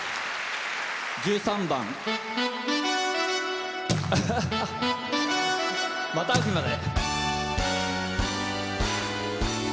１３番「また逢う日まで」。